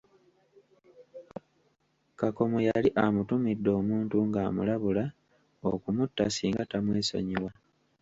Kakomo yali amutumidde omuntu ng'amulabula okumutta singa tamwesonyiwa.